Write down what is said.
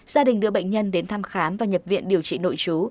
gia đình đưa bệnh nhân đến thăm khám và nhập viện điều trị nội chú